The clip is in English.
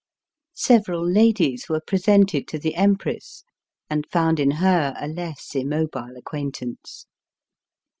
Several ladies were presented to the Empress, and found in her a less immobile acquaintance.